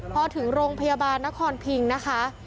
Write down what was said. พอถึงโรงพยาบาลนครพิงนะคะ